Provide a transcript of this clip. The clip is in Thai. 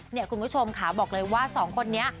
คุณผู้ชมค่ะบอกเลยว่าสองคนนี้